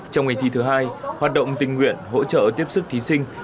trong ngày thi thứ hai hoạt động tình nguyện hỗ trợ tiếp sức thí sinh